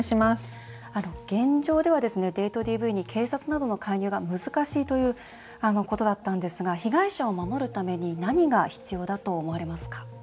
現状では、デートＤＶに警察などの介入が難しいということだったんですが被害者を守るために何が必要だと思われますか？